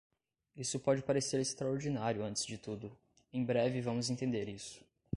Isso pode parecer extraordinário antes de tudo; em breve vamos entender isso.